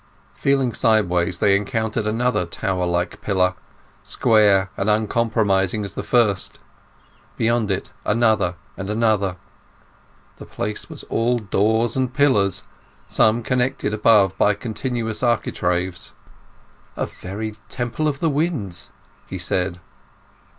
Feeling sideways they encountered another tower like pillar, square and uncompromising as the first; beyond it another and another. The place was all doors and pillars, some connected above by continuous architraves. "A very Temple of the Winds," he said.